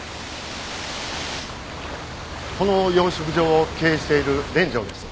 この養殖場を経営している連城です。